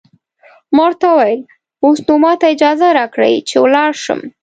ما ورته وویل: اوس نو ماته اجازه راکړئ چې ولاړ شم.